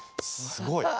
すごいよ。